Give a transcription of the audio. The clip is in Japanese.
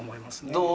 どう？